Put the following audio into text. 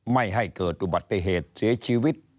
ไม่ให้เกิดอุบัติเหตุเสียชีวิต